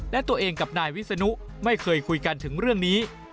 และตัวเองกับนายวิศนุไม่เคยคุยกันถึงเรื่องนี้